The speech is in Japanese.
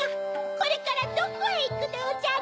これからどこへいくでおじゃる？